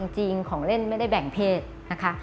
จริงของเล่นไม่ได้แบ่งเพศนะคะ